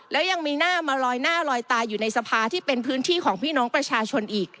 แล้วยังมีหน้ามาลอยหน้าลอยตาอยู่ในสภาที่เป็นพื้นที่ของพี่น้องประชาชนอีก